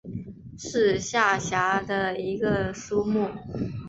是下辖的一个苏木。